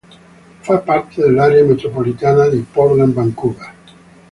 Fa parte dell'area metropolitana di Portland-Vancouver.